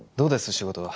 仕事は